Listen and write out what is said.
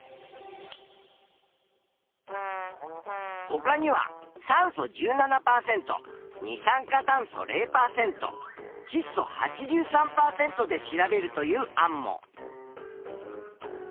ほかには酸素１７％二酸化炭素０％ちっ素８３％で調べるという案も。